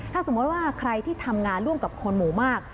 ถ้าสมมุติว่าใครที่ทำงานร่วมกับคนหมู่มาก